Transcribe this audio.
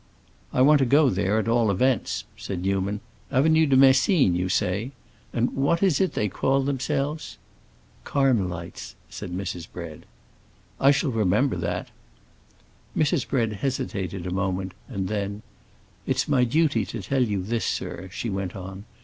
"I want to go there, at all events," said Newman. "Avenue de Messine, you say? And what is it they call themselves?" "Carmelites," said Mrs. Bread. "I shall remember that." Mrs. Bread hesitated a moment, and then, "It's my duty to tell you this, sir," she went on.